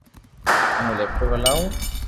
ھون ليپ ٽاپ ھلاو